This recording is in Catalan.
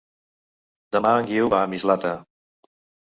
Demà en Guiu va a Mislata.